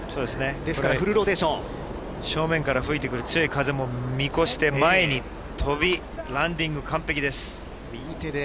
ですからフルロ正面から吹いてくる強い風も見越して、前に跳び、ランディング、完璧です。